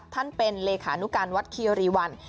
ท่านเป็นเลขานุการวัดคีรีวัน